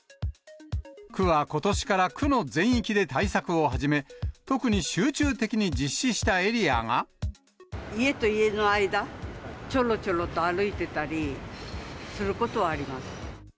区はことしから区の全域で対策を始め、特に集中的に実施したエリ家と家の間、ちょろちょろと歩いてたりすることはあります。